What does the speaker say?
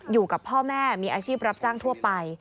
อยู่กับพ่อแม่มีอาชีพรับจ้างทั่วไป